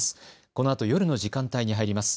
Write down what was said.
このあと夜の時間帯に入ります。